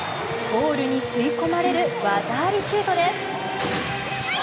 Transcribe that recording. ゴールに吸い込まれる技ありシュートです。